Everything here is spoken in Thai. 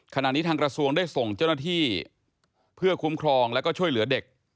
ขณะนี้ทางกระทรวงได้ส่งเจ้าหน้าที่เพื่อคุ้มครองแล้วก็ช่วยเหลือเด็ก